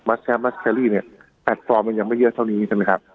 แชมป์มัสเกอรี่เนี่ยแพลตฟอร์มมันยังไม่เยอะเท่านี้ใช่ไหมครับ